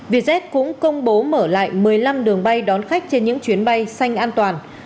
vietjet cũng công bố mở lại một mươi năm đường bay đón khách trên những chuyến bay xanh an toàn